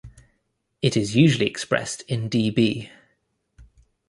It is usually expressed in dB.